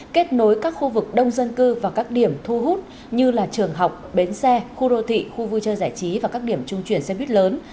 kết nối các khu vực đông dân cư và các điểm thu hút như trường học bến xe khu đô thị khu vui chơi giải trí và các điểm trung chuyển xe buýt lớn